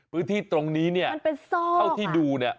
พื้นที่ตรงนี้เนี่ยเท่าที่ดูเนี่ย